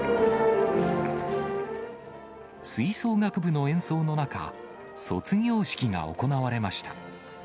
吹奏楽部の演奏の中、卒業式が行われました。